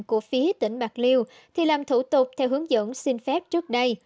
của phía tỉnh bạc liêu thì làm thủ tục theo hướng dẫn xin phép trước đây